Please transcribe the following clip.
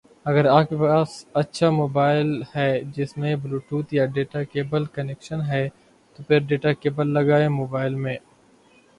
اگر آپ کے پاس اچھا موبائل ہے جس میں بلوٹوتھ یا ڈیٹا کیبل کنیکشن ہے تو پھر ڈیٹا کیبل لگائیں موبائل میں